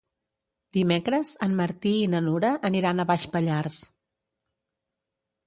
Dimecres en Martí i na Nura aniran a Baix Pallars.